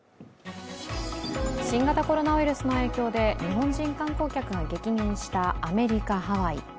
新型コロナウイルスの影響で日本人観光客が激減したアメリカ・ハワイ。